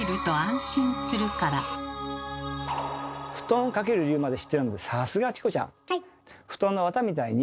布団をかける理由まで知ってるなんてさすがチコちゃん。